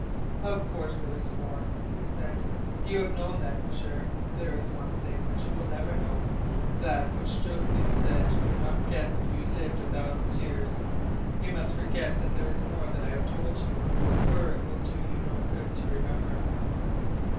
"Of course there is more," he said. "You have known that, M'sieur. There is one thing which you will never know that which Josephine said you would not guess if you lived a thousand years. You must forget that there is more than I have told you, for it will do you no good to remember."